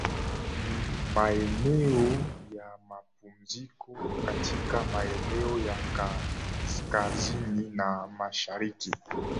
Ni maeneo ya mapumziko katika maeneo ya kaskazini na mashariki